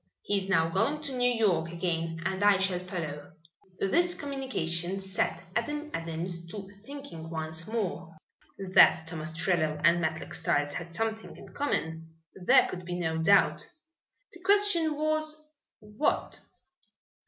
He is now going to New York again and I shall follow." This communication set Adam Adams to thinking once more. That Tom Ostrello and Matlock Styles had something in common there could be no doubt. The question was, What?